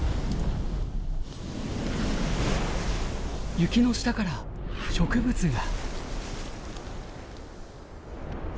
雪の下から植物が。